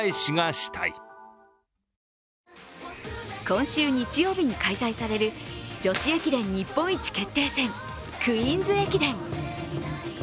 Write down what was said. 今週日曜日に開催される女子駅伝日本一決定戦、クイーンズ駅伝。